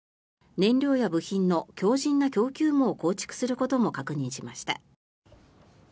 燃料や部品の強じんな供給網を構築することも確認しました。